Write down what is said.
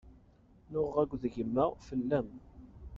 Nuɣeɣ akked gma fell-am.